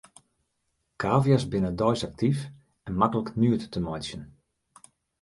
Kavia's binne deis aktyf en maklik nuet te meitsjen.